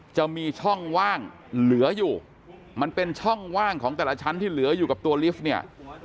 จะมีช่องว่างเหลืออยู่มันเป็นช่องว่างของแต่ละชั้นที่เหลืออยู่กับตัวลิฟต์เนี่ย